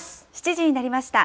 ７時になりました。